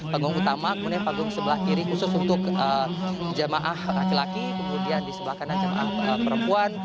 panggung utama kemudian panggung sebelah kiri khusus untuk jemaah laki laki kemudian di sebelah kanan jemaah perempuan